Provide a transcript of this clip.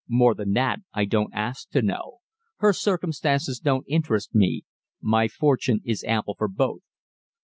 "More than that, I don't ask to know; her circumstances don't interest me; my fortune is ample for both."